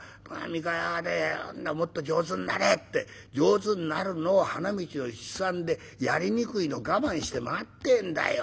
三河屋はねもっと上手になれって上手んなるのを花道を七三でやりにくいの我慢して待ってんだよ。